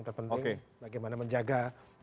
terpenting bagaimana menjaga